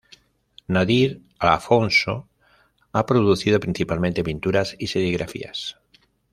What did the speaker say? Nadir Afonso ha producido, principalmente pinturas y serigrafías.